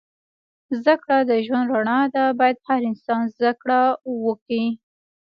زده کړه د ژوند رڼا ده. باید هر انسان زده کړه وه کوی